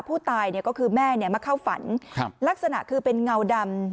ผู้ตายเนี่ยก็คือแม่มาเข้าฝันลักษณะคือเป็นเงาดำ